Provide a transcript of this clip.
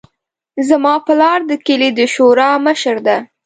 زما پلار د کلي د شورا مشر ده